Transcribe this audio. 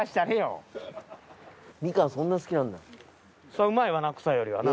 うまいわな草よりはな。